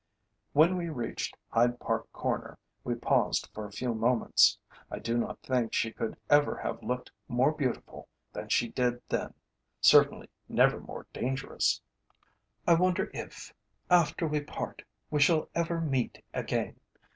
When we reached Hyde Park Corner we paused for a few moments. I do not think she could ever have looked more beautiful than she did then, certainly never more dangerous. "I wonder if, after we part, we shall ever meet again?"